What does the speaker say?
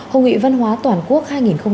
hội nghị văn hóa toàn quốc hai nghìn hai mươi bốn